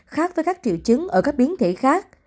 khác với các triệu chứng ở các biến thể khác